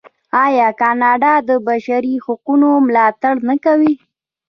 آیا کاناډا د بشري حقونو ملاتړ نه کوي؟